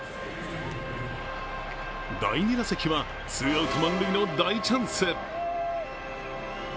第２打席は、ツーアウト満塁の大チャンス。